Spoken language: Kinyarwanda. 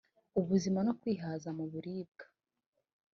ubuzima no kwihaza mu biribwa